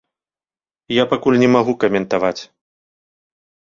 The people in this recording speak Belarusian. Я пакуль не магу каментаваць.